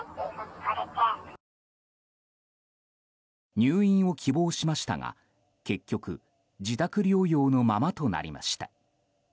入院を希望しましたが、結局自宅療養のままとなりました。